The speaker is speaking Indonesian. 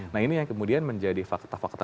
nah ini yang kemudian menjadi fakta fakta